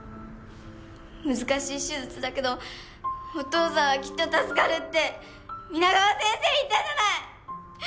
難しい手術だけどお父さんはきっと助かるって皆川先生言ったじゃない！